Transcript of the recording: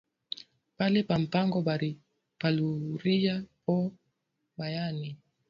Pale pa mpango, bari paluriya po mayani